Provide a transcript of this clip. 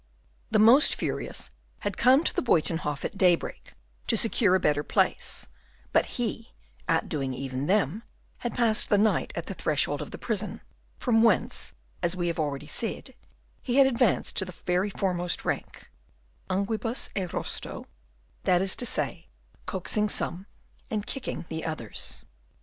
The most furious had come to the Buytenhof at daybreak, to secure a better place; but he, outdoing even them, had passed the night at the threshold of the prison, from whence, as we have already said, he had advanced to the very foremost rank, unguibus et rostro, that is to say, coaxing some, and kicking the others.